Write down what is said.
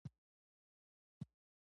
د صنعت په ډګر کې ستونزه پاتې نه وي.